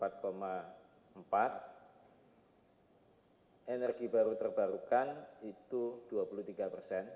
energi baru terbarukan itu dua puluh tiga persen